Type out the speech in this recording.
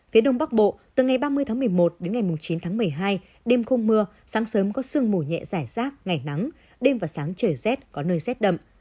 phía đông bắc bộ từ ngày ba mươi tháng một mươi một đến ngày chín tháng một mươi hai đêm không mưa sáng sớm có sương mù nhẹ giải rác ngày nắng đêm và sáng trời rét có nơi rét đậm